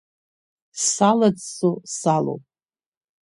Салаӡсо салоуп.